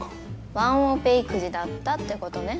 ワンオペ育児だったってことね。